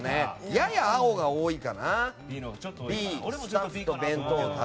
やや青が多いかな。